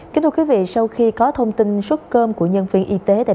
kính thưa quý vị sau khi có thông tin xuất cơm của nhân viên y tế tại bệnh viện